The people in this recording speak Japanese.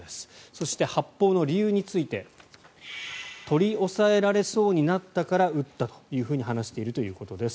そして、発砲の理由について取り押さえられそうになったから撃ったと話しているということです。